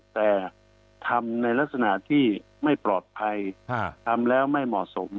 แต่ทำในลักษณะที่ไม่ปลอดภัยทำแล้วไม่เหมาะสม